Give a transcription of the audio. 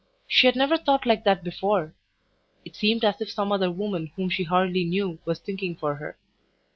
She had never thought like that before; it seemed as if some other woman whom she hardly knew was thinking for her.